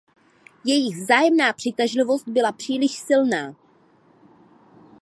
Jejich vzájemná přitažlivost byla příliš silná.